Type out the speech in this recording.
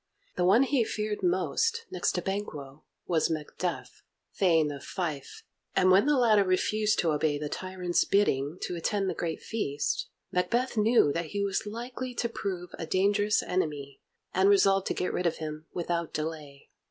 The one he feared most, next to Banquo, was Macduff, Thane of Fife, and when the latter refused to obey the tyrant's bidding to attend the great feast, Macbeth knew that he was likely to prove a dangerous enemy, and resolved to get rid of him without delay.